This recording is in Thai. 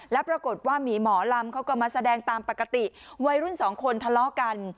แล้วปรากฏว่าหมีหมอลำเขาก็มาแสดงตามปกติวัยรุ่นสองคนทะเลาะกัน